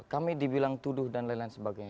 kami dibilang tuduh dan lain lain sebagainya